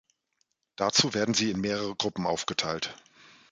Dazu werden sie in mehrere Gruppen aufgeteilt.